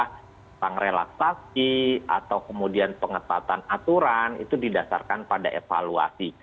tentang relaksasi atau kemudian pengetatan aturan itu didasarkan pada evaluasi